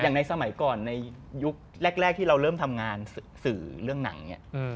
ในสมัยก่อนในยุคแรกที่เราเริ่มทำงานสื่อเรื่องหนังเนี่ย